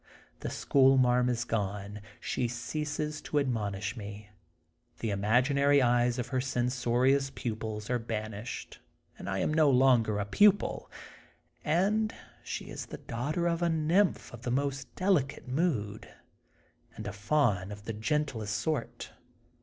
The school marm is gone. She ceases to admonish me. The imaginary eyes of her censorious pupils are banished, and I am no longer a pupil, and U THE GOLDEN BOOK OF SPRINGFIELD she is the daughter of a nymph of the most delicate mood and a faun of the gentlest sort.